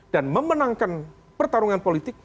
dan memenangkan pertarungan politik